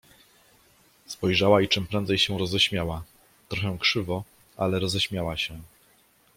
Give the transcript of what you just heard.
Spojrzała i czym prędzej się roześmiała, trochę krzywo, ale roześmiała się.